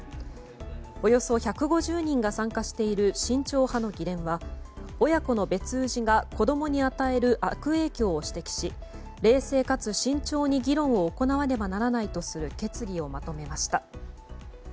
およそ１５０人が参加している慎重派の議連は親子の別氏が子供に与える悪影響を指摘し冷静かつ慎重に議論を行わねばならないとする決議をまとめました。